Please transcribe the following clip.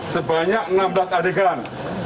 sebanyak enam belas adegan